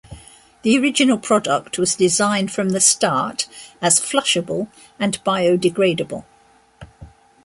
The original product was designed from the start as flushable and biodegradeable.